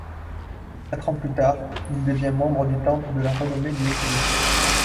Quatre ans plus tard, il devient membre du temple de la renommée du hockey.